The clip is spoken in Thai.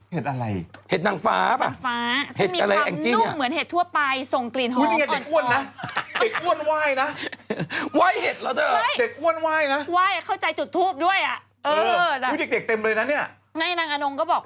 เห็ดอะไรเห็ดนางฟ้าป่ะเห็ดอะไรแอ่งจริงเห็ดนางฟ้าซึ่งมีความนุ่มเหมือนเห็ดทั่วไปส่งกลิ่นหอมอ่อน